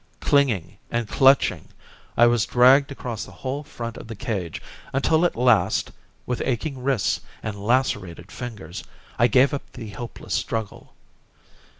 Clinging and clutching, I was dragged across the whole front of the cage, until at last, with aching wrists and lacerated fingers, I gave up the hopeless struggle.